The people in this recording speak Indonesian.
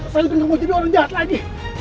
saya pingin jadi orang jahat lagi